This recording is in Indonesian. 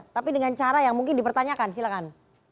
tapi dengan cara yang mungkin dipertanyakan silakan